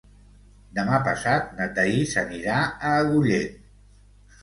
Demà passat na Thaís anirà a Agullent.